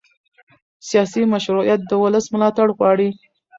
سیاسي مشروعیت د ولس ملاتړ غواړي